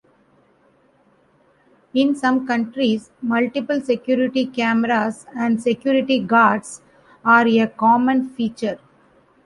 In some countries, multiple security cameras and security guards are a common feature.